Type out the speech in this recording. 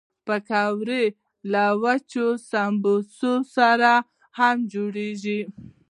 پکورې له وچو سبو سره هم جوړېږي